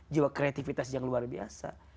jiwa kreativitas yang luar biasa